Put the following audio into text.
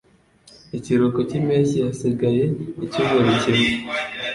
Ikiruhuko cyimpeshyi hasigaye icyumweru kimwe.